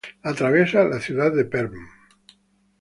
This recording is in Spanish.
Atraviesa la ciudad de Perm.